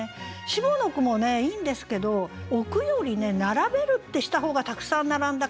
下の句もねいいんですけど「置く」より「並べる」ってした方がたくさん並んだ感じが出るので。